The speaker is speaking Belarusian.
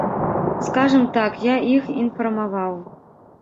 Скажам так, я іх інфармаваў.